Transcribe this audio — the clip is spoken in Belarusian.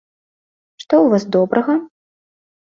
Што ў вас добрага?